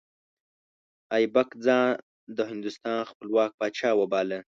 ایبک ځان د هندوستان خپلواک پاچا وباله.